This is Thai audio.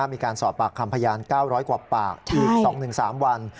มีการสอบปากคำพยาน๙๐๐กว่าปากอีก๒๓วัน